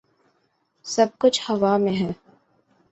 سب کچھ ہوا میں ہے۔